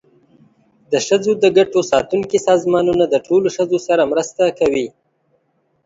د ښځو د ګټو ساتونکي سازمانونه د ټولو ښځو سره مرسته کوي.